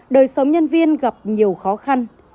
đời sống nhân viên gặp nhiều khó khăn